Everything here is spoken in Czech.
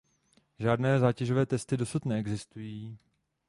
Žádné zátěžové testy dosud neexistují.